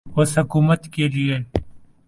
اس حکومت کیلئے۔